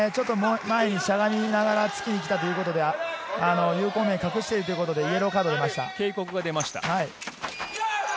前にしゃがみながら突きに来たということで、有効面を隠しているのでイエローカードが出ました。